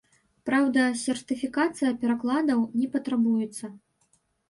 Праўда, сертыфікацыя перакладаў не патрабуецца.